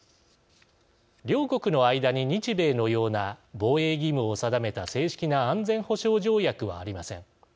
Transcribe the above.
両国の間に日米のような防衛義務を定めた正式な安全保障条約はありません。